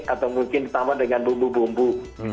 atau mungkin ditambah dengan bumbu bumbu